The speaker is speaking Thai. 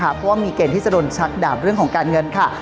เพราะว่ามีเกณฑ์ที่จะโดนชักดาบเรื่องของการเงินค่ะ